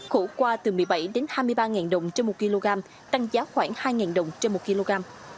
khổ qua từ một mươi bảy hai mươi ba đồng trên một kg tăng giá khoảng hai đồng trên một kg